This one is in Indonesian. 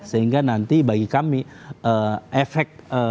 sehingga nanti bagi kami efek